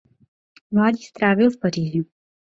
Mládí strávil v Paříži.